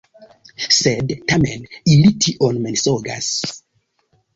Sed tamen ili tion mensogas.